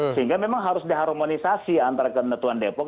sehingga memang harus diharmonisasi antara ketentuan depok